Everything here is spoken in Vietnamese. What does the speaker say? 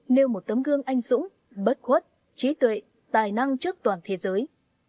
nêu một tấm gương anh dũng bất khuất trí tuệ tài năng trước toàn thế giới